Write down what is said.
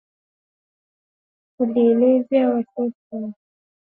Ujumbe wa Umoja wa Mataifa ulielezea wasiwasi wake